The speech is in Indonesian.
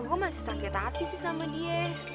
gue masih sakit hati sih sama dia